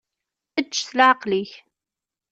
Ečč s leɛqel-ik.